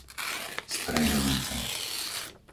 Streženice